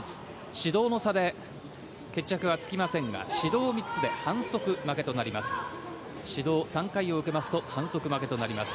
指導の差で決着はつきませんが指導３つで反則負けとなります。